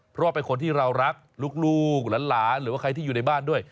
เพราะว่าเป็นคนที่เรารักลูกหลานหรือว่าใครที่อยู่ในบ้านด้วย